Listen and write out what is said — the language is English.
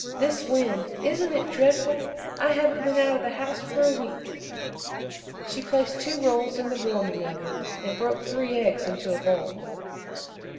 This wind isn't it dreadful? I haven't been out of the house for a week." She placed two rolls in the warming oven and broke three eggs into a bowl.